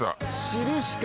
『しるし』か。